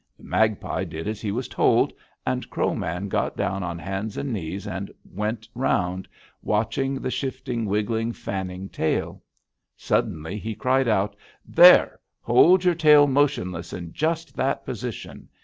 "The magpie did as he was told, and Crow Man got down on hands and knees, and went around, watching the shifting, wiggling, fanning tail. Suddenly he cried out: 'There! Hold your tail motionless in just that position!'